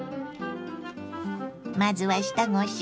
まずは下ごしらえ。